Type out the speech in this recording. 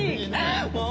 もう！